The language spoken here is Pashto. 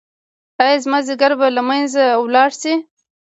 ایا زما ځیګر به له منځه لاړ شي؟